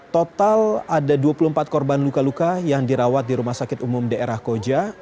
total ada dua puluh empat korban luka luka yang dirawat di rumah sakit umum daerah koja